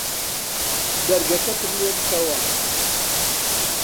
دەرگەکەتم لێ بکەوە